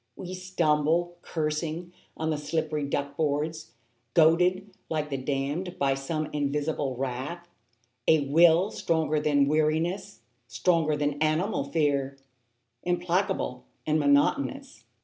We stumble, cursing, on the slippery duck boards. Goaded like the damned by some invisible wrath, A will stronger than weariness, stronger than animal fear, Implacable and monotonous.